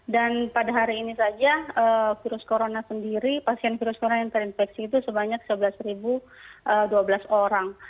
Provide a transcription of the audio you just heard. dan pada hari ini saja virus corona sendiri pasien virus corona yang terinfeksi itu sebanyak sebelas dua belas orang